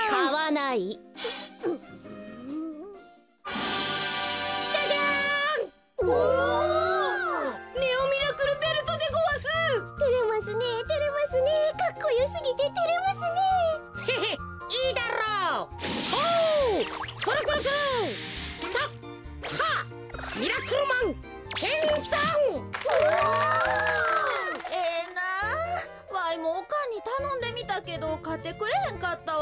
わいもおかんにたのんでみたけどかってくれへんかったわ。